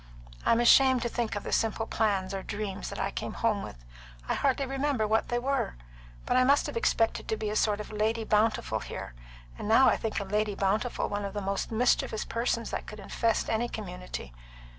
I'm ashamed to think of the simple plans, or dreams, that I came home with. I hardly remember what they were; but I must have expected to be a sort of Lady Bountiful here; and now I think a Lady Bountiful one of the most mischievous persons that could infest any community."